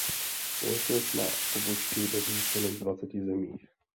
Společnost má pobočky ve více než dvaceti zemích.